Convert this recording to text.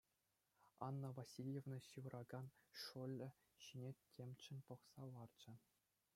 Анна Васильевна ҫывӑракан шӑллӗ ҫине темччен пӑхса ларчӗ.